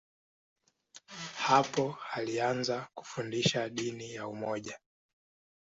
Hapo alianza kufundisha dini ya umoja.